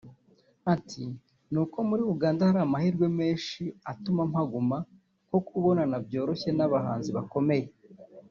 Ati “Ni uko muri Uganda hari amahirwe menshi atuma mpaguma nko kubonana byoroshye n’abahanzi bakomeye